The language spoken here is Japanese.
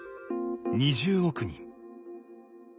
２０億人。